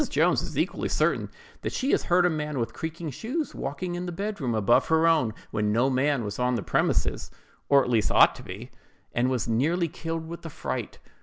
Jones is equally certain that she has heard a man with creaking shoes walking in the bed room above her own, when no man was on the premises (or at least ought to be), and "was nearly killed with the fright."